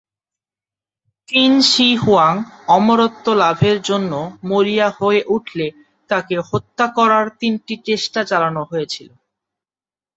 চিন Shi Huang অমরত্ব লাভের জন্য মরিয়া হয়ে উঠলে তাকে হত্যা করার তিনটি চেষ্টা চালানো হয়েছিল।